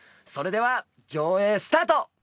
それでは上映スタート！